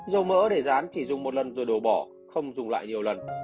dầu mỡ để rán chỉ dùng một lần rồi đồ bỏ không dùng lại nhiều lần